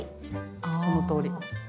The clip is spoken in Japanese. そのとおり。